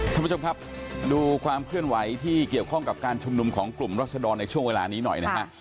ท่านผู้ชมครับดูความเคลื่อนไหวที่เกี่ยวข้องกับการชุมนุมของกลุ่มรัศดรในช่วงเวลานี้หน่อยนะฮะ